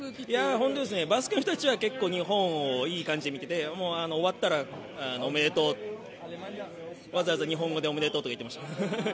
ホントですね、バスクの人たちは日本をいい感じで見てて終わったらわざわざ日本語で「おめでとう」って言ってました。